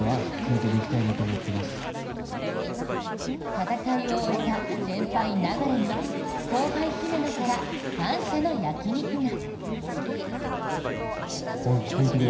戦いを終えた先輩・流に後輩・姫野から感謝の焼き肉が。